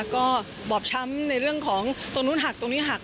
ก็บอบช้ำในเรื่องของตรงนู้นหักตรงนี้หัก